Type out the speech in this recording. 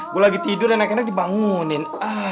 gue lagi tidur anak anak dibangunin